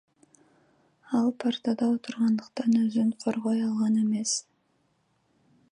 Ал партада отургандыктан өзүн коргой алган эмес.